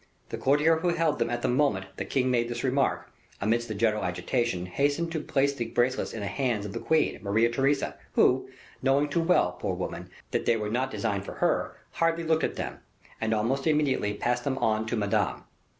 The courtier who held them at the moment the king made this remark, amidst the general agitation, hastened to place the bracelets in the hands of the queen, Maria Theresa, who, knowing too well, poor woman, that they were not designed for her, hardly looked at them, and almost immediately passed them on to Madame.